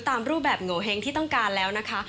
ตามรูปแบบโงเห้งที่ต้องการแล้วนะคะ